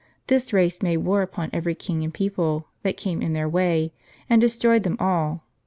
This race made war upon every king and people, that came in their way ; and destroyed them all.